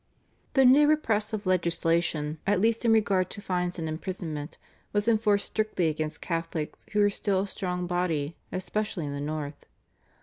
The new repressive legislation, at least in regard to fines and imprisonment, was enforced strictly against Catholics who were still a strong body, especially in the north.